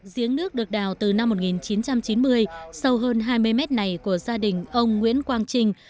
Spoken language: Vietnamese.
giếng nước được đào từ năm một nghìn chín trăm chín mươi sâu hơn hai mươi mét này của gia đình ông nguyễn quang trinh